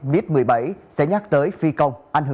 biết một mươi bảy sẽ nhắc tới phi công